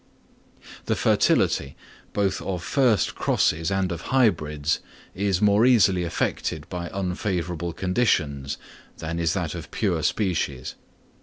The fertility, both of first crosses and of hybrids, is more easily affected by unfavourable conditions, than is that of pure species.